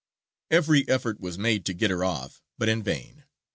Every effort was made to get her off, but in vain.